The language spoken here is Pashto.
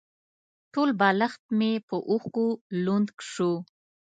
ټول بالښت مې په اوښکو لوند شو.